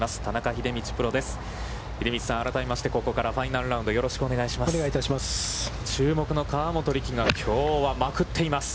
秀道さん、改めまして、ここからファイナルラウンド、よろしくお願いします。